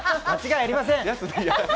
間違いありません！